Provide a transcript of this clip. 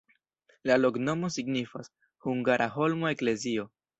La loknomo signifas: hungara-holmo-eklezio.